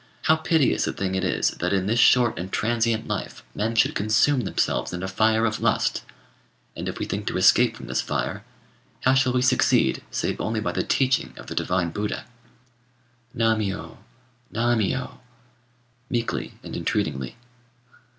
How piteous a thing it is that in this short and transient life men should consume themselves in a fire of lust! and if we think to escape from this fire, how shall we succeed save only by the teaching of the divine Buddha?" [Footnote 86: One of the Buddhist classics.] "Nammiyô! nammiyô!" meekly and entreatingly.